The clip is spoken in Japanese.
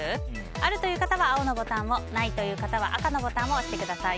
あるという方は青のボタンをないという方は赤のボタンを押してください。